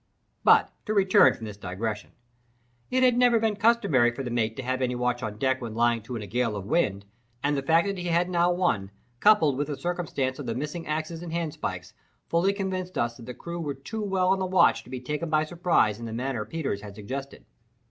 But to return from this digression. It had never been customary with the mate to have any watch on deck when lying to in a gale of wind, and the fact that he had now one, coupled with the circumstance of the missing axes and handspikes, fully convinced us that the crew were too well on the watch to be taken by surprise in the manner Peters had suggested.